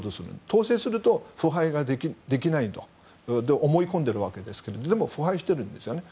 統制すると腐敗ができないと思い込んでいるわけですけどでも、腐敗しているんですよね。